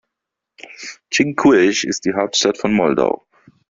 Chișinău ist die Hauptstadt von Moldau.